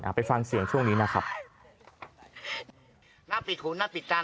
ไปฟังเสียงช่วงนี้นะครับหน้าปิดหูหน้าปิดตา